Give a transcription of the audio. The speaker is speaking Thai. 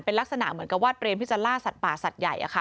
เป็นลักษณะเหมือนกับว่าเตรียมที่จะล่าสัตว์ป่าสัตว์ใหญ่